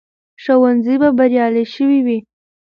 ښوونځي به بریالي شوي وي.